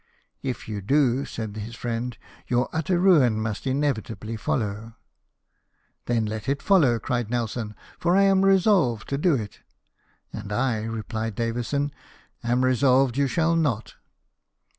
" If you do," said his friend, " your utter ruin must inevitably follow." " Then let it follow," cried Nelson, "for I am resolved to do it." "And I," replied Davison, " am resolved you shall not."